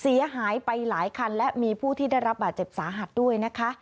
เสียหายไปหลายคันและมีผู้ที่ได้รับบาดเจ็บสาหัสด้วยนะคะ